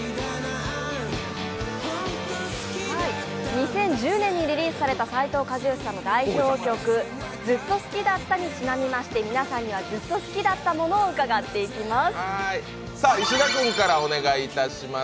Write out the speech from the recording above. ２０１０年にリリースされた斉藤和義さんの代表曲、「ずっと好きだった」にちなみまして、皆さんにはずっと好きだったものを伺っていきます。